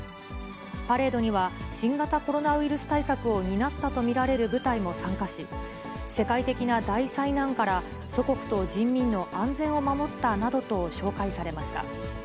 パレードには、新型コロナウイルス対策を担ったと見られる部隊も参加し、世界的な大災難から、祖国と人民の安全を守ったなどと紹介されました。